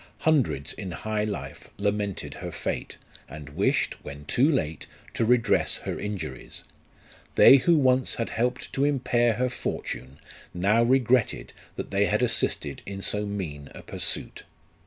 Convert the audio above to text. Hundreds in high life lamented her fate, and wished, when too late, to redress her injuries. They who once had helped to impair her fortune, now regretted that they had assisted in so mean a pursuit.